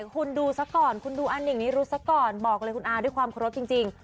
คุณดูซะก่อนคุณดูอันนี้นี่รู้ซะก่อนบอกเลยคุณอาด้วยความโทษจริง